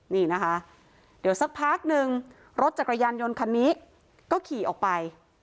นี่นะคะเดี๋ยวสักพักนึงรถจักรยานยนต์คันนี้ก็ขี่ออกไป